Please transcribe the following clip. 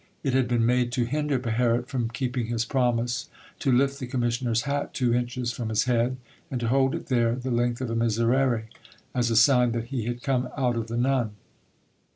It had been made to hinder Beherit from keeping his promise to lift the commissioner's hat two inches from his head and to hold it there the length of a Miseyere, as a sign that he had come out of the nun.